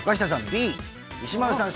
Ｂ石丸さん